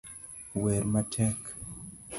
wer matek